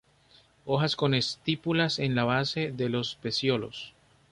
Hojas con estípulas en la base de los pecíolos.